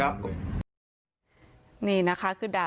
ปล่อยละครับ